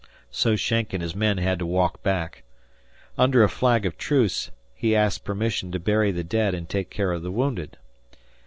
So Schenck and his men had to walk back. Under a flag of truce he asked permission to bury the dead and take care of the wounded.